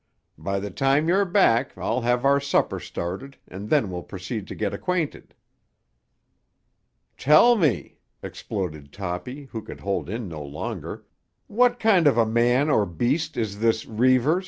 By the time you're back I'll have our supper started and then we'll proceed to get acqua'nted." "Tell me!" exploded Toppy, who could hold in no longer. "What kind of a man or beast is this Reivers?